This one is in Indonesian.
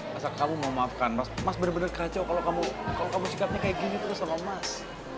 masa kamu mau maafkan mas bener bener kacau kalau kamu sikapnya kayak gini terus sama mas